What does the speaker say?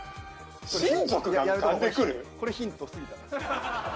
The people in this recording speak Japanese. これヒント過ぎたな。